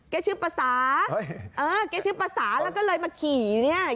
เก๊ชื่อป่าสาเก๊ชื่อป่าสาแล้วก็เลยมาขี่เนี่ย